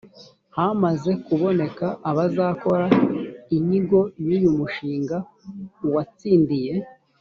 hamaze kuboneka abazakora inyigo y uyu mushinga uwatsindiye